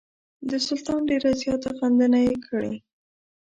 د سلطان ډېره زیاته غندنه یې کړې.